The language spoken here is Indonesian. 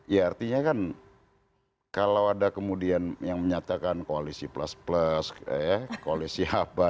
ya artinya kan kalau ada kemudian yang menyatakan koalisi plus plus koalisi apa